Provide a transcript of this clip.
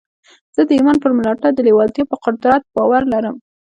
زه د ایمان پر ملاتړ د لېوالتیا پر قدرت باور لرم